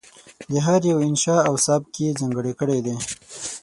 د هر یوه انشأ او سبک یې ځانګړی کړی دی.